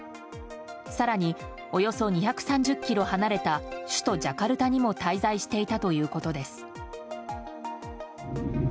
更に、およそ２３０ｋｍ離れた首都ジャカルタにも滞在していたということです。